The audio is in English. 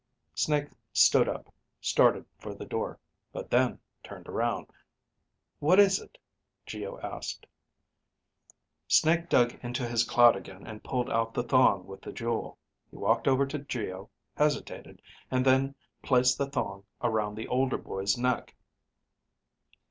Snake stood up, started for the door, but then turned around. "What is it?" Geo asked. Snake dug into his clout again and pulled out the thong with the jewel. He walked over to Geo, hesitated, and then placed the thong around the older boy's neck.